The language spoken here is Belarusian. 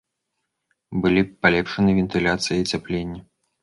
Былі палепшаны вентыляцыя і ацяпленне.